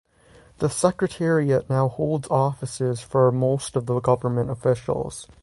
The Secretariat now holds offices for most of the Government officials.